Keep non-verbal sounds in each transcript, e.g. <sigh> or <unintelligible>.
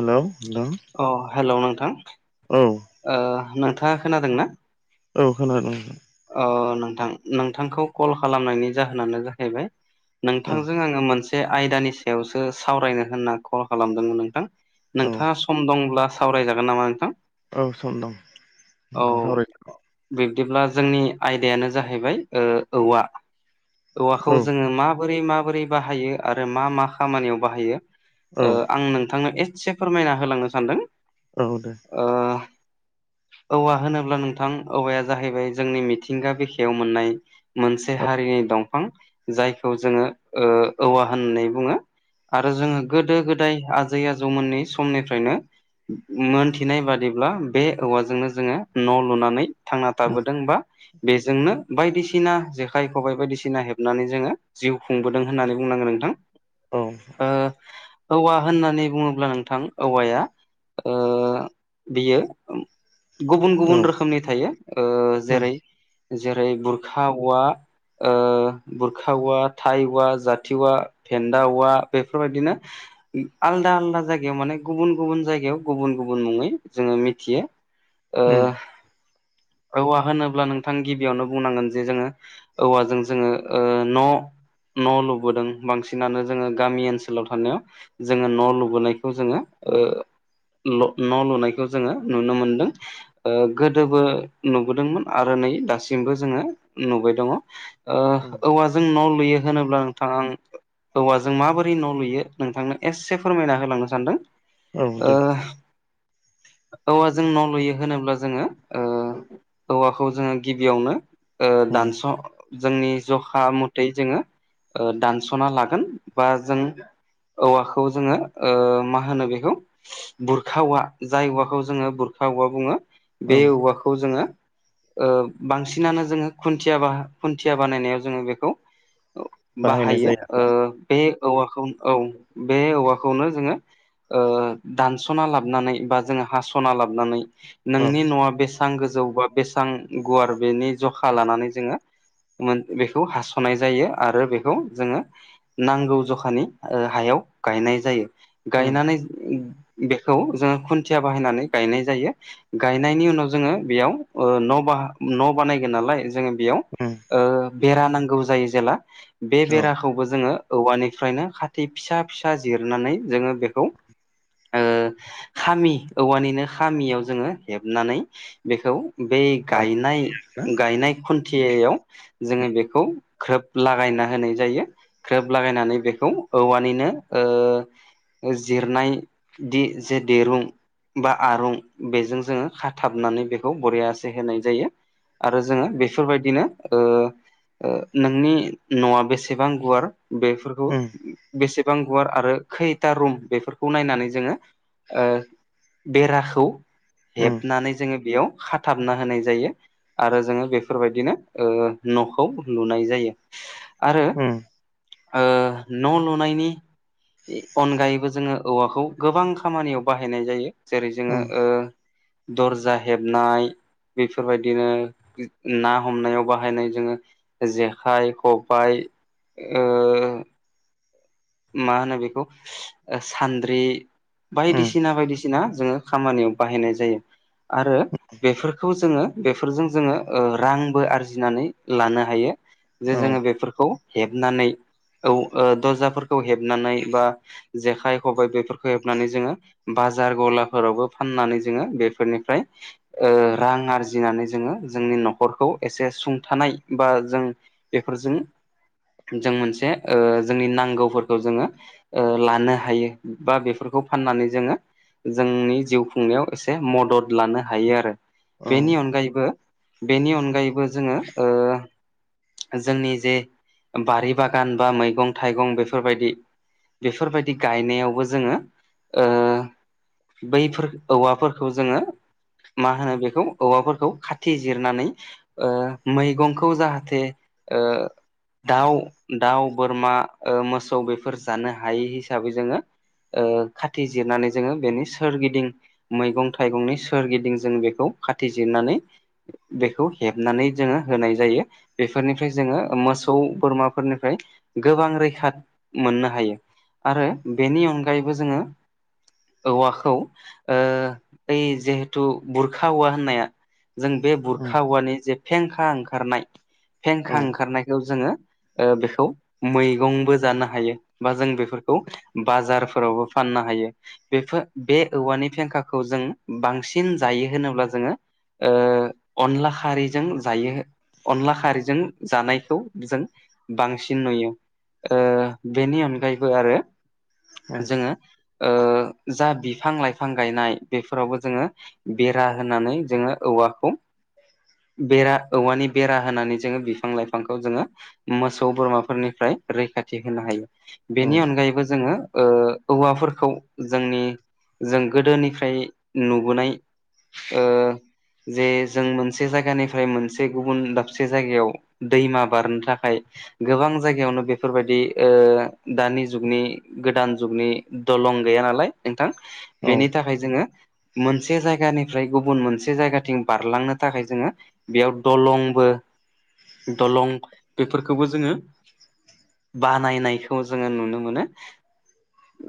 हेल नोंथां। अ हेलौ नोंथां औ ओ नोंथाङा खोनादों ना? औ खोनादों नोंथां। अ नोंथां नोंथांखौ कल खालामनायनि जाहोनानो जाहैबाय औ नोंथांजों आङो मोनसे आयदानि सायावसो सावरायनो होनना कल खालामदोंमोन नोंथां। औ नोंथाङा सम दंब्ला सावरायजागोन नामा नोंथां? औ सम दं नोंथां औ सावरायदो बिब्दिब्ला जोंनि आयदायानो जाहैबाय ओ औवा। औवाखौ औ जोङो माबोरै माबोरै बाहायो आरो मा मा खामानियाव बाहायो औ ओ आं नोंथांनो एसे फोरमायना होलांनो सानदों। औ दे। ओ औवा होनोब्ला नोंथां औवाया जाहैबाय जोंनि मिथिंगा बिखायाव मोननाय मोनसे औ हारिनि दं फां जायखौ जोङो ओ औवा होननानै बुङो। आरो जोङो गोदो गोदाय आजै आजौमोननि समनिफ्रायनो मोनथिनाय बादिब्ला बे औवाजोंनो जोङो न लुनानै थांना थाबो होमबा बेजोंनो बायदिसिना जेखाइ खबाइ बायदिसिना हेबनानै जोङो जिउ खुंबोदों होननानै बुंनांगोन नोंथां औ ओ औवा होननानै बुङोब्ला नोंथां औवाया बियो गुबुन गुबुन रोखोमनि थायो उम जेरै जेरै बुरखा औवा बुरखा औवा थाइ औवा जाथि औवा फेन्दा औवा बेफोरबायदिनो आलदा आलदा जायगायाव माने गुबुन गुबुन जायगायाव गुबुन गुबुन मुङै जोङो मिथियो। ओ उम औवा होनोब्ला नोंथां गिबियावनो बुंनांगोन जे जोङो औवाजों जोङो ओ न' न' लुबोदों बांसिनानो जोङो गामि ओनसोलाव थानायाव जोङो न' लुबोनायखौ जोङो न' लुनायखौ जोङो नुनो मोनदों गोदोबो नु बोदोंमोन आरो नै दासिमबो जोङो नुबाय दङ ओ उम औवा जों न' लुयो होनोब्ला नोंथां आं औवाजों माबोरै न' लुयो नोंथांनो एसे फोरमायना होलांनो सानदों। औ औवाजों जों न' लुयो होनोब्ला जोङो औवाखौ जोङो गिबियावनो औ दानस' जोंनि जखा मथै जोङो दानस'ना लागोन बा जों औवाखौ जोङो मा होनो बेखौ बुरखा औवा जाय औवाखौ जोङो बुरखा औवा बुङो औ बे औवाखौ जोङो बांसिनानो जोङो खुन्थिया बाह खुन्थिया बानायनायाव जोङो बेखौ बाहायनाय बाहायो जायो आरोना बे औवाखौ औ बे औवाखौनो जोङो दानस'ना लाबोनानै बा जोङो हास'ना लाबोनानै औ नोंनि न'आ बेसेबां गोजौ बा बेसेबां गुवार बेनि जखा लानानै जोङो बेखौ हास'नाय जायो आरो बेखौ जोङो नांगौ जखानि हायाव गायनाय जायो उम गायनानै बेखौ जोङो खुन्थिया बाहायनानै गायनाय जायो गायनायनि उनाव जोङो बेयाव न' बा न' बानायगोन नालाय जोङो बेयाव उम बेरा नांगौ जायो जेला बे औ बेरा खौबो जोङो औवानिफ्रायनो खााथै फिसा फिसा जिरनानै जोङो बेखौ खामि औवानिनो खामियाव जोङो हेबनानै बेखौ बे बानायना गायनाय गायनाय खुन्थिययाव जोङो बेखौ ग्रोब लागायना होनाय जायो ग्रोब लागायनानै बेखौ औवानिनो जिरनायदि जे दिरुं बा आरुं बेजों जोङो खाथाबनानै बेखौ बरियासे होनाय जायो आरो जोङो बेफोरबायदिनो ओ नोंनि न'आ बेसेबां गुवार बेफोरखौ उम बेसेबां गुवार आरो खैथा रुम बेफोरखौ नायनानै जोङो ओ बेराखौ उम हेबनानै जोङो बेयाव थाबना होनाय जायो आरो जोङो बेफोरबायदिनो ओ न'खौ लुनाय जायो। आरो उम ओ न' लुनायनि बे अनगायैबो जोङो औवाखौ गोबां खामानियाव बाहायनाय जायो जेरै जोङो उम दरजा हेबनाय बेफोरबायदिनो ना हमनायाव बाहायनाय जोङो जेखाइ खबाइ ओ मा होनो बेखौ ओ सान्द्रि उम बायदिसिना बायदिसि सिना जोङो खामानियाव बाहायनाय जायो। आरो बेफोरखौ जोङो बेफोरजों जोङो ओ रांबो आरजिनानै लानो हायो। जे औ जोङो बेफोरखौ हेबनानै औ ओ दरजाफोरखौ हेबनानै बा जेखाइ खबाइ बेफोरखो हेबनानै जोङो बाजार गलाफोरावबो फाननानै जोङो बेफोरनिफ्राय ओ रां आरजिनानै जोङो जोंनि न'खरखौ एसे सुंथानाय बा जों बेफोरजों जों मोनसे ओ जोंनि नांगौफोर खौ जोङो ओ लानो हायो बा बेफोरखौ फाननानै जोङो जोंनि जिउ खुंनायाव एसे मदद लानो हायो आरो औ बेनि अनगायैबो बेनि अनगायैबो जोङो ओ जोंनि जे बारि बागान बा मैगं -थाइगं बेफ फोरबायदि बेफोरबायदि गायनायावबो जोङो ओ बैफोर औवाफोरखौ जोङो मा होनो बेखौ औवाफोरखौ खाथि जिरनानै ओ मैगंखौ जाहाथे ओ दाउ दाउ बोरमा ओ मोसौ बेफोर जानो हायि हिसाबै जोङो ओ खाथि जिरनानै जोङो बेनि सोरगिदिं मैगं -थाइगंनि सोरगिदिं जों बेखौ खाथि जिरनानै बेखौ हेबनानै जोङो होनाय जायो। बेफोरनिफ्राय जोङो मोसौ बोरमाफोरनिफ्राय गोबां रैखा मोननो हायो आरो बेनि अनगायैबो जोङो औवाखौ ओ <unintelligible> जिहेथु बुरखा औवा होननाया जों बे उम बुरखा औवानि जे फेंखा ओंखारनाय औ फेंखा ओंखारनायखौ जोङो ओ बेखौ मैगंबो जानो <unintelligible> हायो बा जों बेफोरखौ बाजारफोरावबो फाननो हायो। बेफो बे औवानि फेंखाखौ जों बांसिन जायो होनोब्ला जोङो ओ अनला खारैजों जायो अनला खारैजों जानायखौ जों बांसिन नुयो ओ बेनि अनगायैबो आरो औ जोङो ओ जा बिफां- लाइफां गायनाय बेफोरावबो जोङो बेरा होनानै जोङो औवाखौ बेरा औवानि बेरा होनानै जोङो बिफां -लाइफांखौ जोङो मोसौ बोरमाफोरनिफ्राय रैखाथि होनो हायो बेनि अनगायैबो जोङो ओ औवाफोरखौ जोंनि जों गोदोनिफ्राय नुबोनाय ओ जे जों मोनसे जायगानिफ्राय मोनसे गुबुन दाबसे जायगायाव दैमा बारनो थाखाय गोबां जायगायावनो बेफोरबायदि ओ दानि जुगनि गोदान जुगनि दलं गैया नालाय नोंथां। औ बेनि थाखाय जोङो मोनसे जायगानिफ्राय गुबुन मोनसे जायगाथिं बारलांनो थाखाय जोङो बेयाव दलंबो दलं बेफोरखोबो जोङो बानायनायखौ जोङो नुनो मोनो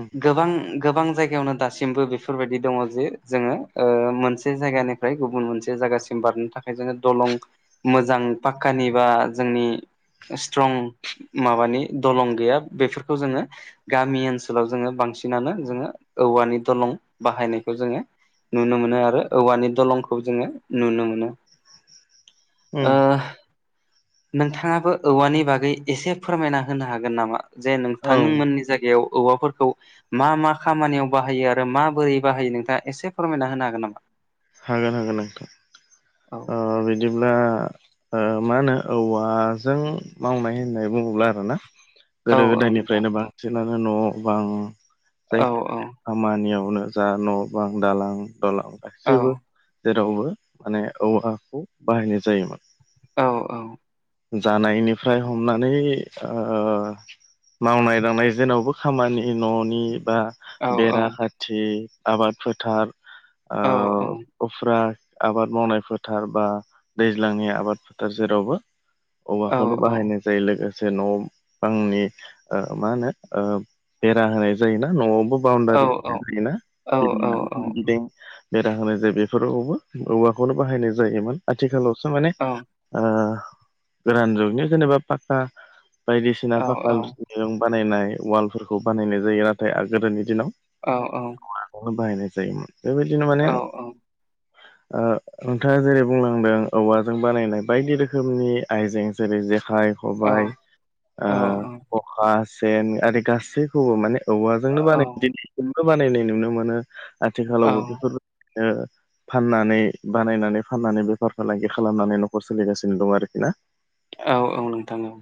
उम गोबां गोबां जायगायावनो दा सिमबो बेफोरबायदि दङ जे जोङो मोनसे जायगानिफ्राय गुबुन मोनसे जायगासिम बारनो थाखाय ओ जोङो दलं मोजां पाक्कानि बा जोंनि स्ट्रं माबानि दलं गैया बेफोरखौ जोङो गामि ओनसोलाव जोङो बांसिनानो जोङो औवानि दलं बाहायनायखौ जोङो नुनो मोनो आरो औवानि दलंखौ जोङो नुनो मोनो। उम ओ नोंथाङाबो औवानि बागै एसे फोरमायना होनो हागोन नामा जे औ नोंथांनिमोननि जायगायाव औवाफोरखौ मा मा खामानियाव बाहायो आरो माबोरै बाहायो नोंथाङा एसे फोरमायना होनो हागोन नामा? हागोन हागोन नोंथां औ ओ बिदिब्ला ओ मा होनो औवाजों मावनाय होननाय बुङोब्ला आरो ना। औ गोदो औ नोंथां गोदायनिफ्रायनो बांसिनानो न' बां औ जायखि औ खामानियावनो जा न' बां दालां दालां औ गासैबो जेरावबो माने औवाखौ बाहायनाय जायोमोन। औ औ। जानायनिफ्राय हमनानै ओ मावनाय दांनाय जेनावबो खामानि न'नि बा औ बेरा खाथि आबाद फोथार ओ औ उफ्रा आबाद मावनाय फोथार बा दैज्लांनि आबाद फोथार जेरावबो औ औवाखौल' बाहायनाय जायो लोगोसे न' बांनि ओ मा होनो ओ बेरा होनाय जायोना न'आवबो औ बाउणडारि औ औ औ औ <unintelligible> बेरा होनाय जायो बेफोरावबो औवाखौनो बाहायनाय जायोमोन आथिखालावसो माने ओ गोदान जुगनि जेनेबा पाक्का बायदिसिना पाका दिरुं बानायनाय वालफोरखौ बानायनाय जायो नाथाय आ गोदोनि दिनाव औ औ। बाहायनाय जायोमोन बेबायदिनो माने ओ नोंथाङा जेरै बुंलांदों औवाजों बानायनाय बायदि रोखोमनि आइजें जेरै जेखाय खबायाइ, ओ खखा, सेन आरि गासैखौबो माने औवाजोंनो औ बानाय दिबो बानायनाय नुनो मोनो आथिखालावबो बेफोर फाननानै बा नायनानै फाननानै बेफार फालांगि खालामनानै न'खर सोलिगासिनो दं आरोखि ना औ औ नोंथां औ।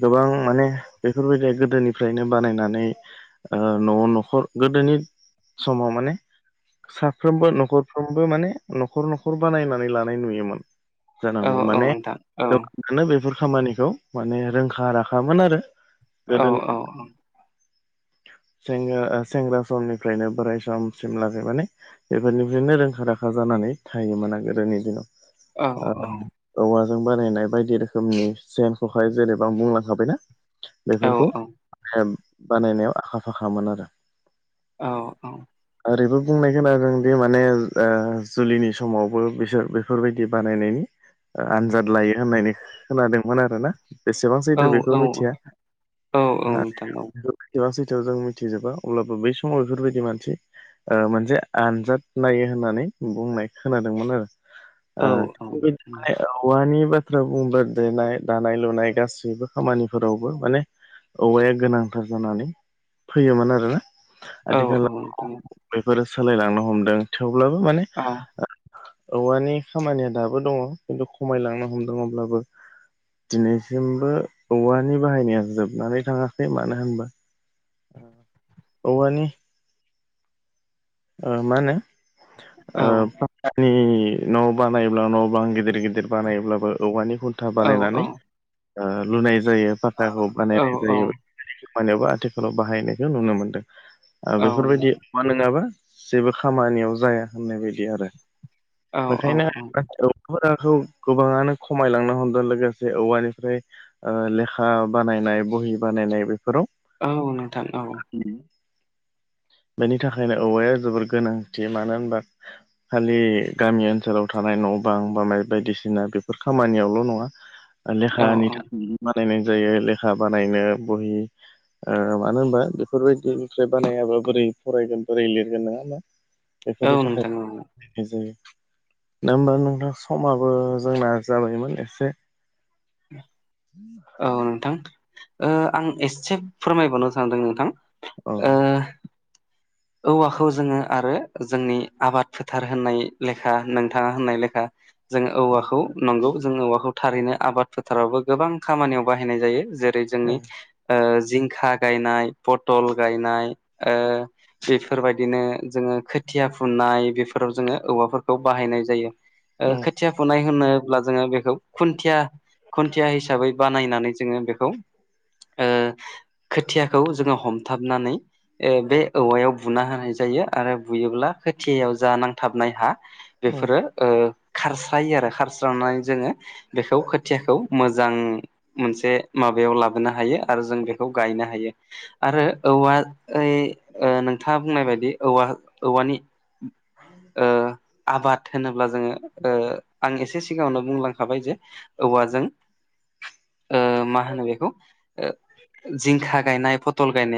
गोबां माने बेफोरबायदि गोदोनिफ्रायनो बानायनानै ओ न'आव न'खर गोदोनि समाव माने साफ्रोमबो न'खरफ्रोमबो माने न'खर न'ख खर बानायनानै लानाय नुयोमोन औ जानांगौ औ माने नोंथां औ गोबां बेफोर खामानिखौ माने रोंखा राखामोन आरो औ गोदो। औ <inaudible> सेंग्रा सेंग्रा समनिफ्रायनो बोराय समसिम लागै माने बेफोरनिफ्रायनो रोंखा राखा जानानै थायोमोन आरो गोदोनि औ दिनाव। औवाजों बानायनाय बायदि रोखोमनि सेन, खखाय जेनेबा आं बुंलांखाबायना। बेफोरखौ औ बानायनायाव आखा फाखामोन आरो औ। ओरैबो बुंनाय खोनादोंदि माने ओ जुलिनि समावबो बिसोर बेफोरबायदि बानायनायनि आनजाद लायो होननानै खोनादोंमोन आरो ना। बेसेबां औ सैदो बेखौ औ मिथिया औ औ नोंथां औ सैथा सैथोआव जों मिथिजोबा अब्लाबो बै समाव बेफोरबायदि मानसि मोनसे आनजाद नायो होननानै बुंनाय खोनादोंमोन आरो औ औ थि नोंथां बेबायदि औवानि ब्रा बुंबा देनाय दानाय लुनाय गासैबो खामानिफोरावबो माने औवाया गोनांथार जानानै फैयोमोन आरोना। औ औ नोंथां आथिखालाव बेफोरो सोलायलांनो हमदों थेवब्लाबो माने औ औवानि खामानिया दाबो दङ खिन्थु खमायलांनो हमदों अब्लाबो दिनैसिमबो औवानि बाहायनाया जोबनानै थाङाखै मानो होनबा अ। औवानि ओ मा होनो औ ओ फाखानि न' बानायब्ला न' बां गिदिर गिदिर बानायब्लाबो औवानि खुन्था औ बानायनानै लुनाय जायो। थाखाखौ औ बानायनाय औ जायो खामानियावबो आथिखालाव बाहायनायखौ नुनो मोनदों। औ बेफोरबायदि नोंथां मा नङाबा जेबो खामानियाव जाया होननाय बायदि आरो औ औ बेखायनो <unintelligible> गोबाङानो खमायलांनो हमदों लोगोसे औवानिफ्राय ओ लेखा बानायनाय बहि बानायनाय बेफोराव औ नोंथां औ उम। बेनि थाखायनो औवाया जोबोर गोनांथि मानो होनबा खालि गामि ओनसोलाव थानाय न' बां बा माय बायदिसिना बेफोर खामानियावल' नङा। ओ लेखानि औ थाख बानायनाय जायो लेखा बानायनो बहि ओ मानो होनबा बेफोरबायदिनिफ्राय बानायाबाबो बोरै फरायगोन बोरै लिरगोन नङा होमबा औ बेफोरनि नोंथां औ थाखाय जायो दा होमबा नोंथां समाबो जोंना जाबायमोन एसे <unintelligible> औ नोंथां ओ आं एसे फोरमायबावनो सानदों नोंथां औ ओ औवाखौ जोङो आरो जोंनि आबाद फोथार होननाय लेखा नोंथाङा होननाय लेखा जोङो औवाखौ नंगौ जोंङो औवाखौ थारैनो आबाद फोथारावबो गोबां खामानियाव बाहायनाय जायो। जेरै औ जोंनि ओ जिंखा बेफोरबायदिनो जोङो खोथिया फुनाय बेफोराव जोङो औवाफोरखौ बाहायनाय जायो। ओ औ खोथिया फुनाय होनोब्ला जोङो बेखौ खुन्थिया खुन्थिया हिसाबै बानायनानै जोङो बेखौ ओ खोथियाखौ जोङो हमथाबनानै ओ बे औवायाव बुना होनाय जायो आरो बुयोब्ला खोथियाव जा नांथाबनाय हा औ बेफोरो ओ खारस्रायो आरो खारस्रानानै जोङो बेखौ खोथियाखौ मोजां मोनसे माबायाव लाबोनो हायो आरो जों बेखौ गायनो हायो। आरो औवायै ओ नोंथाङा बुंनाय बायदि औवा औवानि ओ आबाद होनोब्ला जोङो ओ आं एसे सिगाङावनो बुंलांखाबाय जे औवाजों ओ मा होनो बेखौ ओ जिंखा गायनाय फटल गायनाय